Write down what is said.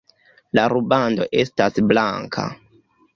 La rubando estas blanka.